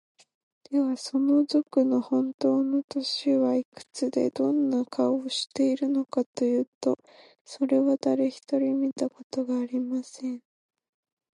では、その賊のほんとうの年はいくつで、どんな顔をしているのかというと、それは、だれひとり見たことがありません。